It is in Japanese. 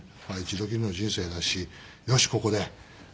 一度きりの人生だしよしここで。